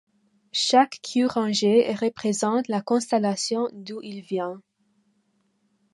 Chaque Kyuranger représentent la constellation d'où il vient.